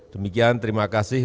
demikian terima kasih